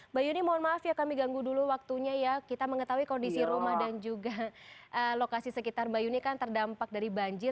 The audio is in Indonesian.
mbak yuni mohon maaf ya kami ganggu dulu waktunya ya kita mengetahui kondisi rumah dan juga lokasi sekitar mbak yuni kan terdampak dari banjir